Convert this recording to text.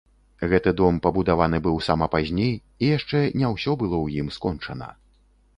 Гэты дом пабудаваны быў сама пазней, і яшчэ не ўсё было ў ім скончана.